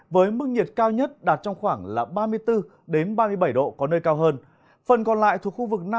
với mức nhiệt cao nhất đạt trong khoảng là ba mươi bốn đến ba mươi bảy độ có nơi cao hơn